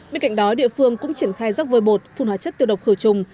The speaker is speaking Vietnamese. bên cạnh đó địa phương cũng triển khai rắc vôi bột phun hóa chất tiêu độc khử trùng